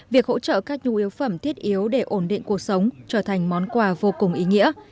việc hỗ trợ các nhu yếu phẩm thiết yếu để ổn định cuộc sống trở thành món quà vô cùng ý nghĩa